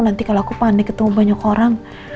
nanti kalau aku panik ketemu banyak orang